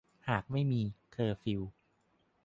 หากไม่มี เคอร์ฟิว